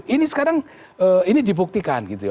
ini sekarang ini dibuktikan